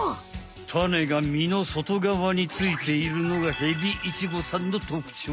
タネが実のそとがわについているのがヘビイチゴさんのとくちょう。